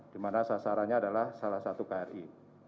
dimana sasarannya adalah salah satu kri